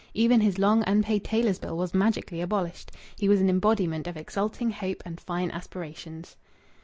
Even his long unpaid tailor's bill was magically abolished. He was an embodiment of exulting hope and fine aspirations.